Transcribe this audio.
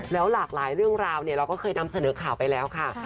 แล้วหลากหลายเรื่องราวเราก็เคยนำเสนอข่าวไปแล้วค่ะ